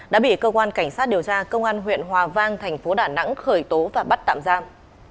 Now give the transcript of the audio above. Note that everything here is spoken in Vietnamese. đã bị cơ quan cảnh sát điều tra công an huyện hòa vang thành phố đà nẵng khởi tố và bắt tạm giam